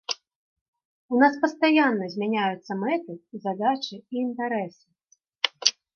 У нас пастаянна змяняюцца мэты, задачы і інтарэсы.